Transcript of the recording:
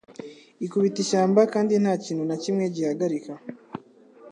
ikubita ishyamba kandi nta kintu na kimwe gihagarika